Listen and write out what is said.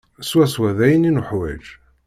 Swaswa d ayen i nuḥwaǧ.